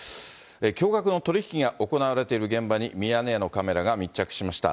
驚がくの取り引きが行われている現場に、ミヤネ屋のカメラが密着しました。